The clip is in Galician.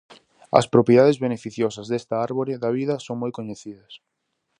As propiedades beneficiosas desta árbore da vida son moi coñecidas.